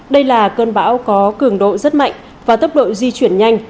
đây là cơn bão có cường độ rất mạnh và tốc độ di chuyển nhanh